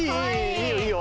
いいよいいよ！